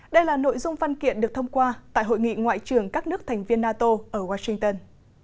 đây là nội dung văn kiện được thông qua tại hội nghị ngoại trưởng các nước thành viên nato ở washington